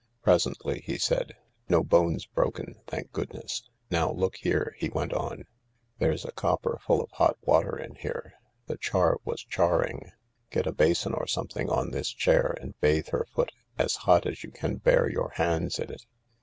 Presently he said : "No bones broken, thank goodness. Now look here," he went on ; "there's a copper full of hot water in here— tW char was charing. Get a basin or something on this chair, and bathe her foot— as hot as you can bear your hands in it.